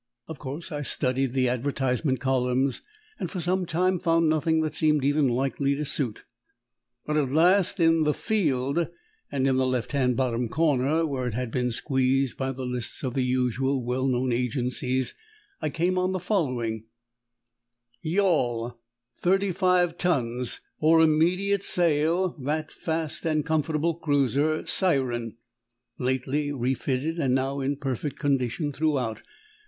Of course, I studied the advertisement columns, and for some time found nothing that seemed even likely to suit. But at last in The Field, and in the left hand bottom corner where it had been squeezed by the lists of the usual well known agencies I came on the following: "YAWL, 35 tons. For immediate SALE, that fast and comfortable cruiser Siren. Lately refitted and now in perfect condition throughout.